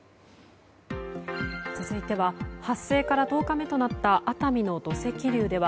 続いては発生から１０日目となった熱海の土石流では